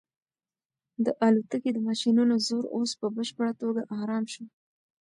د الوتکې د ماشینونو زور اوس په بشپړه توګه ارام شو.